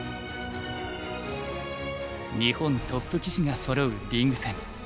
日本トップ棋士がそろうリーグ戦。